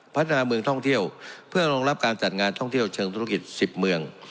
พัฒนาเมืองท่องเที่ยวเพื่อรองรับการจัดงานท่องเที่ยวเชิงธุรกิจ๑๐เมือง